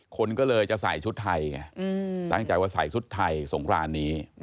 คนก็เลยจะใส่ชุดไทยไงตั้งใจว่าใส่ชุดไทยสงครานนี้